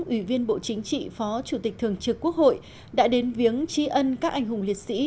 ủy viên bộ chính trị phó chủ tịch thường trực quốc hội đã đến viếng tri ân các anh hùng liệt sĩ